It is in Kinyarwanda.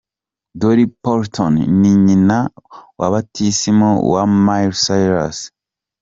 Dolly Parton ni nyina wa batisimu wa Miley Cyrus.